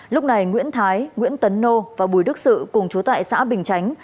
lúc này nguyễn thái nguyễn tấn nô và bùi đức sự cùng chú tại xã bình chánh